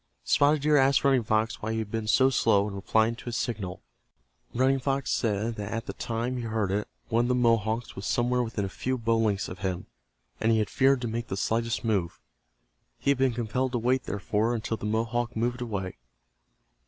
Spotted Deer asked Running Fox why he had been so slow in replying to his signal. Running Fox said that at the time he heard it one of the Mohawks was somewhere within a few bow lengths of him, and he had feared to make the slightest move. He had been compelled to wait, therefore, until the Mohawk moved away.